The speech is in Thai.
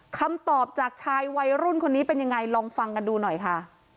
คำตอบจากชายวัยรุ่นคนนี้เป็นยังไงลองฟังกันดูหน่อยค่ะ